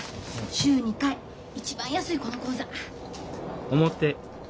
週２回一番安いこの講座。